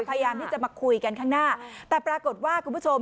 พยายามที่จะมาคุยกันข้างหน้าแต่ปรากฏว่าคุณผู้ชม